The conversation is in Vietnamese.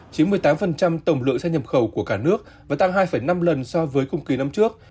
chiếm một mươi tám tổng lượng xe nhập khẩu của cả nước và tăng hai năm lần so với cùng kỳ năm trước